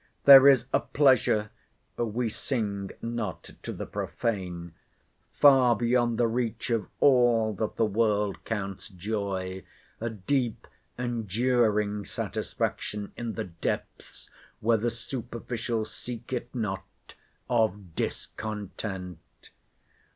There is a pleasure (we sing not to the profane) far beyond the reach of all that the world counts joy—a deep, enduring satisfaction in the depths, where the superficial seek it not, of discontent.